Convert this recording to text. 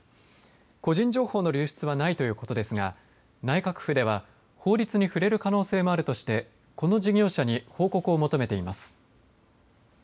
個人情報の流出はないということですが内閣府では法律に触れる可能性もあるとしてこの事業者に報告を求めています。